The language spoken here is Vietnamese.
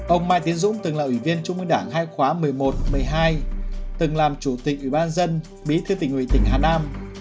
ông mai tiến dũng từng là ủy viên trung ương đảng hai khóa một mươi một một mươi hai từng làm chủ tịch ủy ban dân bí thư tỉnh ủy tỉnh hà nam